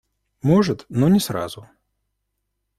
Может, но не сразу.